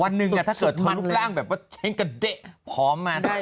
วันนึงนะถ้าเกิดรูปร่างแบบว่าเช้งกระเดะพร้อมมาโถมั้ย